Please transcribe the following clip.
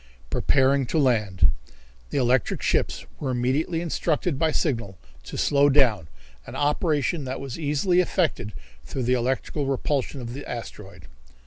Preparing to Land. The electrical ships were immediately instructed by signal to slow down, an operation that was easily affected through the electrical repulsion of the asteroid.